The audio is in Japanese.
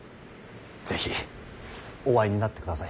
是非お会いになってください。